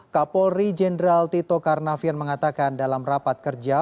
kapolri jenderal tito karnavian mengatakan dalam rapat kerja